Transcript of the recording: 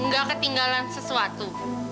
nggak ketinggalan sesuatu